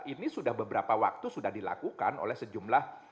ini sudah beberapa waktu sudah dilakukan oleh sejumlah